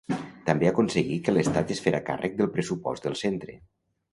També aconseguí que l'Estat es fera càrrec del pressupost del centre.